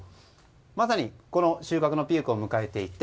まさに収穫のピークを迎えていて